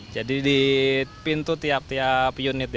jadi di pintu tiap tiap unit ya